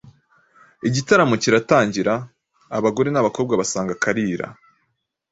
Igitaramo kiratangira, abagore n'abakobwa basanga Kalira,